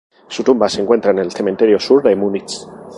Su tumba se encuentra en el cementerio sur de Múnich.